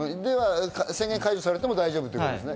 宣言解除されてもいいということですね。